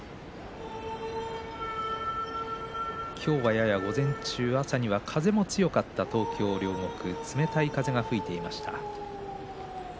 今日は、やや午前中風が強かった東京・両国冷たい風が吹いていました。